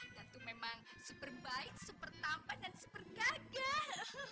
datuk memang super baik super tampan dan super gagah